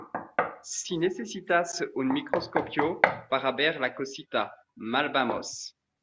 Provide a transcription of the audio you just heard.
si necesitas un microscopio para ver la cosita, mal vamos.